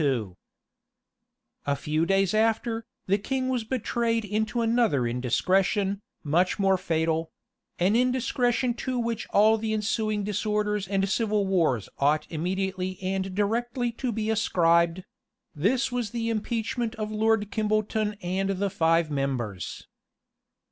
} A few days after, the king was betrayed into another indiscretion, much more fatal; an indiscretion to which all the ensuing disorders and civil wars ought immediately and directly to be ascribed; this was the impeachment of Lord Kimbolton and the five members.